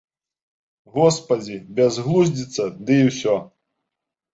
Госпадзі, бязглуздзіца ды і ўсё.